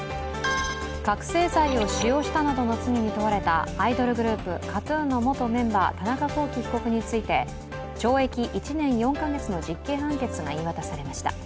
覚醒剤を使用したなどの罪に問われたアイドルグループＫＡＴ−ＴＵＮの元メンバー・田中聖被告について懲役１年４か月の実刑判決が言い渡されました。